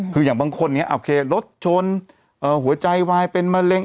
คืออย่างบางคนเนี่ยโอเครถชนหัวใจวายเป็นมะเร็ง